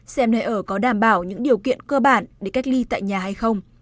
xem nơi ở có đảm bảo những điều kiện cơ bản để cách ly tại nhà hay không